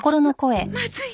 ままずい。